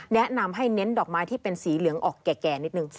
แนะนำให้เน้นดอกไม้ที่เป็นสีเหลืองออกแก่นิดนึง